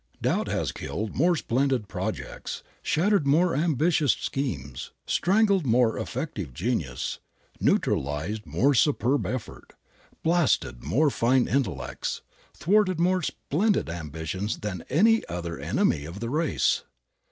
Doubt has killed more splendid projects, shattered more ambitious schemes, strangled more effective genius, neutralized more superb effort, blasted more fine intellects, thwarted more splendid ambitions than any other enemy of the race.